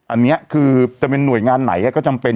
อันนี้คือจะเป็นหน่วยงานไหนก็จำเป็น